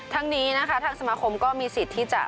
ทั้งนี้นะคะทางสมาคมก็มีสิทธิ์ที่จะ